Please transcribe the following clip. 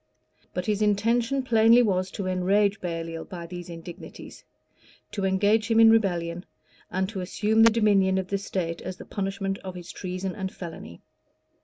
[*] But his intention plainly was to enrage Baliol by these indignities, to engage him in rebellion, and to assume the dominion of the state as the punishment of his treason and felony.